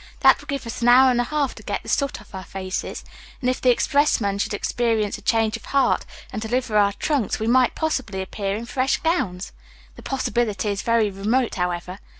That will give us an hour and a half to get the soot off our faces, and if the expressman should experience a change of heart and deliver our trunks we might possibly appear in fresh gowns. The possibility is very remote, however.